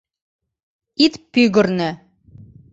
Ит пӱгырнӧ.